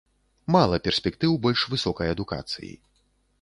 Мала перспектыў больш высокай адукацыі.